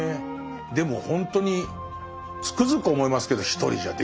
でもほんとにつくづく思いますけど一人じゃできないですもんね